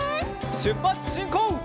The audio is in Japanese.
しゅっぱつしんこう！